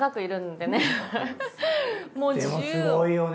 でもすごいよね